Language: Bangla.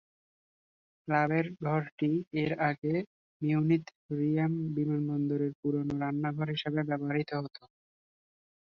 ক্লাবের ঘরটি এর আগে মিউনিখ-রিয়েম বিমানবন্দরের পুরনো রান্নাঘর হিসেবে ব্যবহৃত হত।